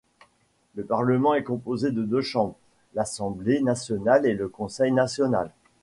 Le Parlement est composé de deux chambres, l’Assemblée nationale et le Conseil national.